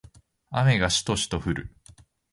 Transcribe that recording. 雨がしとしと降る